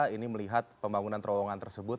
ini melihat pembangunan terowongan tersebut